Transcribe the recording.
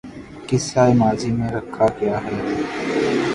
قصہ ماضی میں رکھا کیا ہے